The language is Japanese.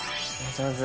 上手！